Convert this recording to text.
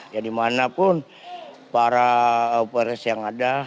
ya dimanapun para operasi yang ada